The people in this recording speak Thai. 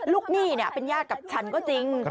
หนี้เป็นญาติกับฉันก็จริง